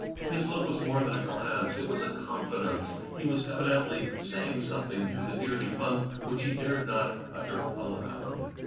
His look was more than a glance, it was a confidence. He was evidently saying something to the dear defimct, which he dared not utter aloud.